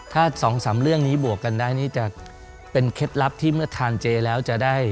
ถ้าสองสามเรื่องนี้บวกกันได้นี่จะเป็นเคล็ดลับที่เมื่อทานเจแล้วจะได้